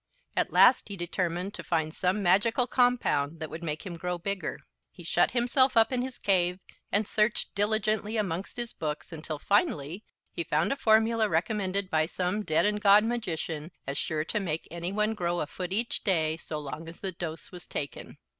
At last he determined to find some magical compound that would make him grow bigger. He shut himself up in his cave and searched diligently amongst his books until, finally, he found a formula recommended by some dead and gone magician as sure to make any one grow a foot each day so long as the dose was taken.